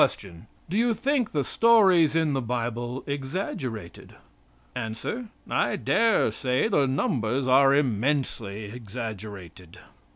Do you think the stories in the Bible exaggerated? A. "I dare say the numbers are immensely exaggerated."